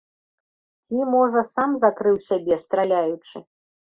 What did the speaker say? Ці, можа, сам закрыў сябе, страляючы.